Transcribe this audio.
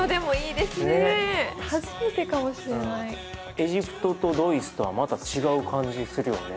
エジプトとドイツとはまた違う感じするよね。